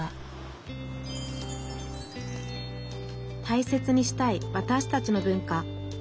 大切にしたいわたしたちの文化。